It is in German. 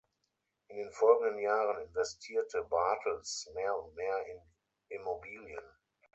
In den folgenden Jahren investierte Bartels mehr und mehr in Immobilien.